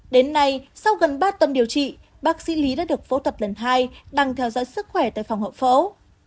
đến nay sau gần ba tuần điều trị bác sĩ lý đã được phẫu thuật lần hai đang theo dõi sức khỏe tại phòng hậu phẫu